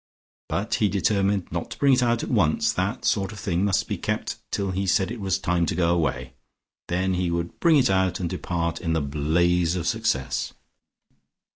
But he determined not to bring it out at once; that sort of thing must be kept till he said it was time to go away. Then he would bring it out, and depart in the blaze of Success.